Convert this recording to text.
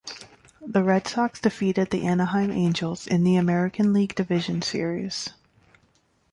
The Red Sox defeated the Anaheim Angels in the American League Division Series.